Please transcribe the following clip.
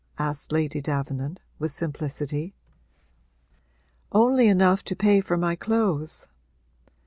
asked Lady Davenant, with simplicity. 'Only enough to pay for my clothes.'